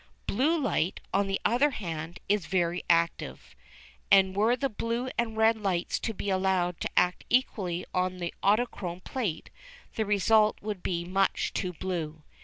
Blue light, on the other hand, is very active, and were the blue and red lights to be allowed to act equally on the autochrome plate, the result would be much too blue.